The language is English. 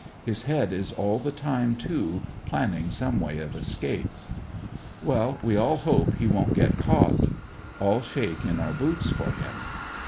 His head is all the time, too, planning some way of escape. Well, we all hope he won't get caught. All shake in our boots for him.